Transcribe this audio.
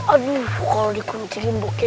aduh kalau dikunci rimbuk kayak gini